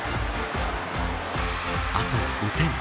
あと５点。